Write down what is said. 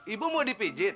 ibu mau dipijit